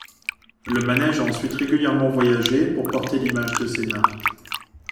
Le manège a ensuite régulièrement voyagé pour porter l'image de Sénart.